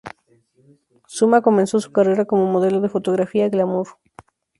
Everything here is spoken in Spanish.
Suma comenzó su carrera como modelo de fotografía glamour.